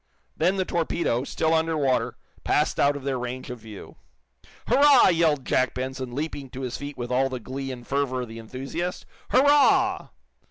Then the torpedo, still under water, passed out of their range of view. "Hurrah!" yelled Jack Benson, leaping to his feet with all the glee and fervor of the enthusiast. "Hurrah!"